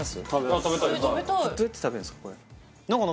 どうやって食べんですか？